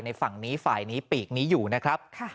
ฝั่งนี้ฝ่ายนี้ปีกนี้อยู่นะครับ